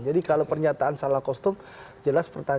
jadi kalau pernyataan salah kostum jelas pertanyaannya